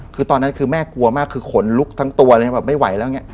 คือตอนนั้นคือแม่กลัวมากคือขนลุกทั้งตัวไม่ไหวแล้ว